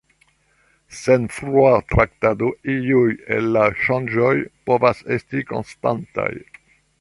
Sen frua traktado iuj el la ŝanĝoj povas esti konstantaj.